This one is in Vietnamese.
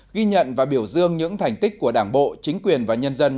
ghi nhận và biểu dương những thành tích của đảng bộ chính quyền và nhân dân